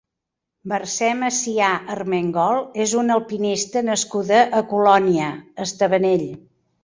Mercè Macià Armengol és una alpinista nascuda a Colònia Estabanell.